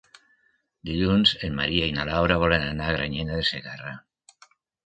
Dilluns en Maria i na Laura volen anar a Granyena de Segarra.